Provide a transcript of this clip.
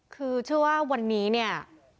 คือเชื่อว่าวันนี้เนี่ย